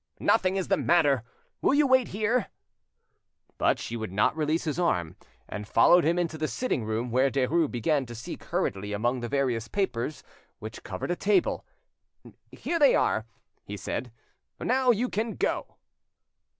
"Nothing is the matter: will you wait here? "But she would not release his arm, and followed him into the sitting room, where Derues began to seek hurriedly among the various papers which covered a table. "Here they are," he said; "now you can go."